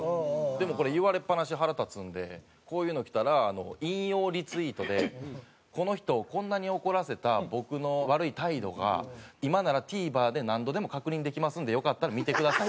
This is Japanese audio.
でもこれ言われっ放しで腹立つんでこういうのきたら引用リツイートで「この人をこんなに怒らせた僕の悪い態度が今ならＴＶｅｒで何度でも確認できますんでよかったら見てください」。